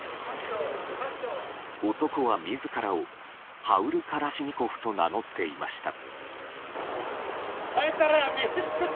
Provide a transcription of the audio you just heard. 男は自らをハウル・カラシニコフと名乗っていました。